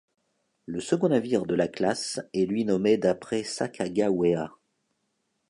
Le second navire de la classe est lui nommé d'après Sacagawea.